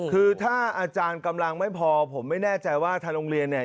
คือถ้าอาจารย์กำลังไม่พอผมไม่แน่ใจว่าทางโรงเรียนเนี่ย